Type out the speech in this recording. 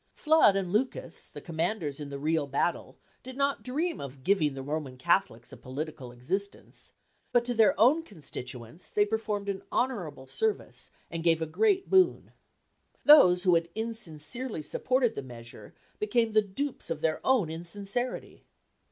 Flood and Lucas, the commanders in the real battle, did not dream of giving the Roman Catholics a political existence, but to their own constituents they performed an honourable service and gave a great boon. Those, who had insincerely supported the measure, became the dupes of their own insincerity.